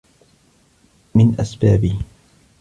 مِنْ أَسْبَابِهِ